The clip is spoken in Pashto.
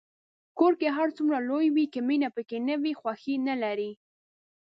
کور که هر څومره لوی وي، که مینه پکې نه وي، خوښي نلري.